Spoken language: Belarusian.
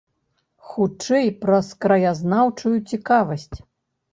Хутчэй праз краязнаўчую цікавасць.